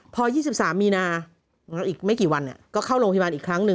พอ๒๓มีนาอีกไม่กี่วันก็เข้าโรงพยาบาลอีกครั้งหนึ่ง